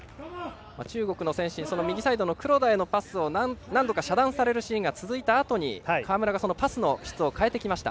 中国の選手に右サイドの黒田へのパスを何度か遮断されるシーンが続いたあとに川村がパスの質を変えてきました。